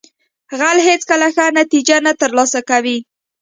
غل هیڅکله ښه نتیجه نه ترلاسه کوي